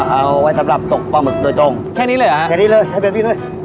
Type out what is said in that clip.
เอาไว้สำหรับตกปลาหมึกโดยตรงแค่นี้เลยเหรอฮะแค่นี้เลยให้เป็นพี่ด้วย